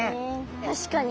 確かに。